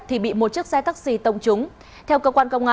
thì bị một chiếc xe taxi tông trúng